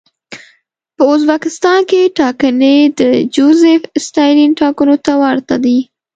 په ازبکستان کې ټاکنې د جوزېف ستالین ټاکنو ته ورته دي.